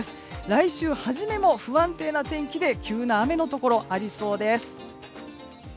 来週初めも不安定な天気で急な雨のところ、ありそうです。